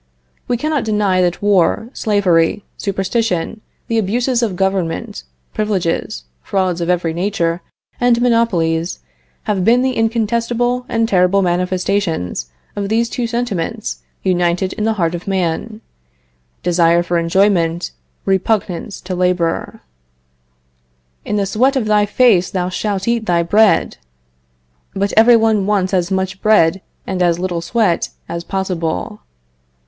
We cannot deny that war, slavery, superstition, the abuses of government, privileges, frauds of every nature, and monopolies, have been the incontestable and terrible manifestations of these two sentiments united in the heart of man: desire for enjoyment; repugnance to labor. "In the sweat of thy face shalt thou eat bread!" But every one wants as much bread and as little sweat as possible.